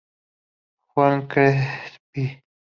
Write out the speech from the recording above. Juan Crespí.